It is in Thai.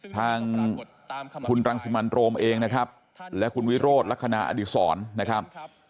ทางคุณรังสิมันโรมเองนะครับและคุณวิโรธลักษณะอดีศรนะครับ